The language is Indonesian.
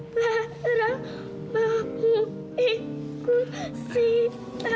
lara mau ikut sita